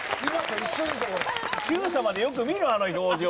『Ｑさま！！』でよく見るあの表情。